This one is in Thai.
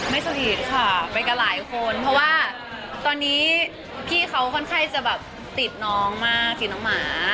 ไม่สนิทค่ะไปกับหลายคนเพราะว่าตอนนี้พี่เขาค่อนข้างจะแบบติดน้องมากสิน้องหมา